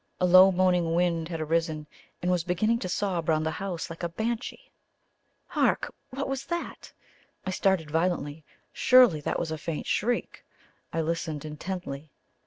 A low moaning wind had arisen, and was beginning to sob round the house like the Banshee. Hark! what was that? I started violently. Surely that was a faint shriek? I listened intently.